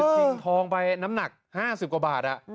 ชิงทองไปน้ำหนัก๕๐กว่าบาท